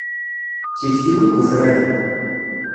D tikti-iw i yufraren.